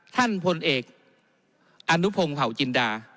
ท่านพลเอกอนุพงภาวจินดา